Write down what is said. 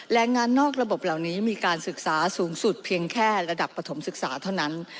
แรงงานนอกระบบเหล่านี้มีการศึกษาสูงสุดเพียงแค่ระดับปฐมศึกษาเท่านั้น